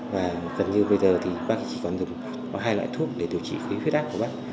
và gần như bây giờ thì bác ấy chỉ còn dùng hai loại thuốc để điều trị khí huyết ác của bác